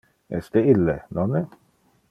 Es de ille, nonne?